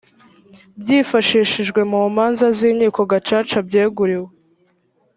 byifashishijwe mu manza z inkiko gacaca byeguriwe